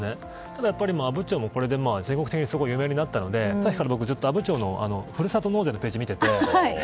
ただ阿武町もこれで全国的に有名になったのでさっきから僕阿武町のふるさと納税のページを見てて。